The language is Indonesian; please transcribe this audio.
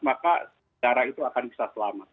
maka darah itu akan bisa selamat